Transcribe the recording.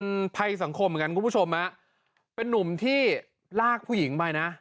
ภัยสังคมเหมือนกันคุณผู้ชมฮะเป็นนุ่มที่ลากผู้หญิงไปนะ